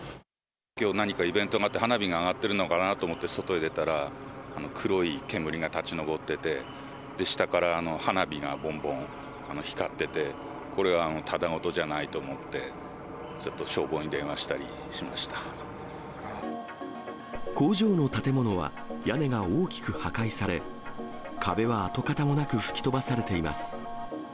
きょう何かイベントがあって、花火が上がっているのかなと思って外へ出たら、黒い煙が立ち上ってて、下から花火がぼんぼん、光ってて、これはただごとじゃないと思って、ちょっと消防に電話したりしまし工場の建物は、屋根が大きく破壊され、壁は跡形もなく吹き飛ばされています。